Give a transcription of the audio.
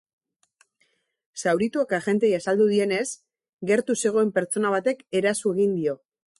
Zaurituak agenteei azaldu dienez, gertu zegoen pertsona batek eraso egin dio.